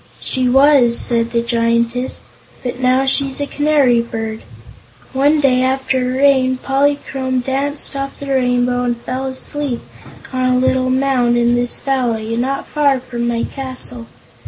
"She was," said the Giantess; "but now she's a canary bird. One day after a rain, Polychrome danced off the Rainbow and fell asleep on a little mound in this valley, not far from my castle.